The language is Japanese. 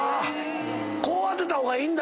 こう当てた方がいいんだ。